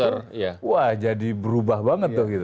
wah jadi berubah banget tuh gitu